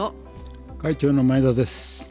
会長の前田です。